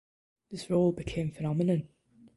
This role became phenomenon.